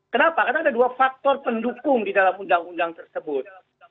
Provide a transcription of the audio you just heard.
kenapa karena ada dua faktor pendukung di dalam undang undang tersebut